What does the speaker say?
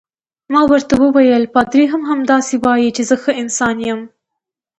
ما ورته وویل: پادري هم همداسې وایي چې زه ښه انسان یم.